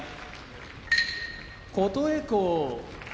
琴恵光